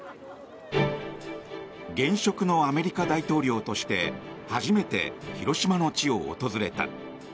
現職のアメリカ大統領として初めて広島の地を訪れた。